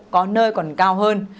có nơi còn cao hơn